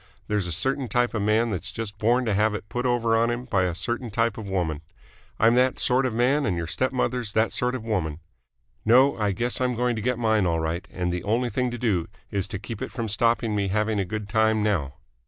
There's a certain type of man that's just born to have it put over on him by a certain type of woman. I'm that sort of man and your stepmother's that sort of woman. No, I guess I'm going to get mine all right, and the only thing to do is to keep it from stopping me having a good time now."